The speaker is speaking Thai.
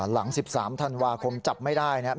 หลัง๑๓ธันวาคมจับไม่ได้นะครับ